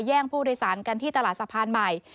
ผู้โดยสารกันที่ตลาดสะพานใหม่